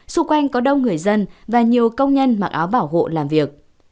xung quanh có đông người dân và nhiều công nhân mặc áo bảo hộ làm việc